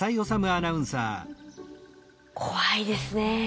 怖いですね。